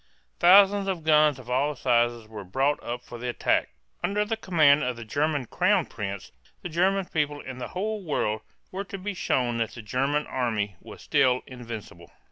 Thousands of guns of all sizes were brought up for the attack. Under the command of the German crown prince, the German people and the whole world were to be shown that the German army was still invincible.